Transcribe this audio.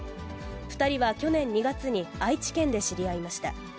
２人は去年２月に愛知県で知り合いました。